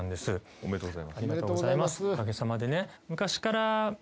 ありがとうございます。